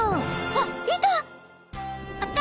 あっいた！